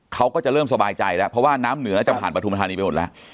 เขาก็จะเริ่มสบายใจแล้วเพราะว่าน้ำเหนือจะผ่านประทุมธานีไปหมดแล้ว